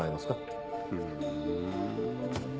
ふん。